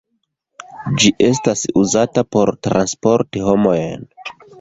Ĝi estas uzata por transporti homojn.